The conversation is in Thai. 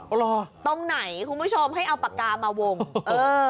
เหรอตรงไหนคุณผู้ชมให้เอาปากกามาวงเออ